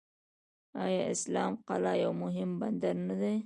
آیا اسلام قلعه یو مهم بندر نه دی؟